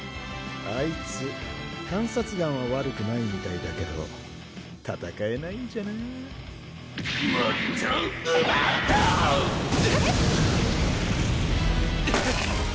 あいつ観察眼は悪くないみたいだけど戦えないんじゃなぁモットウバウゾー！